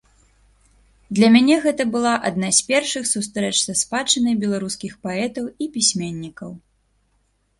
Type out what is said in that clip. Для мяне гэта была адна з першых сустрэч са спадчынай беларускіх паэтаў і пісьменнікаў.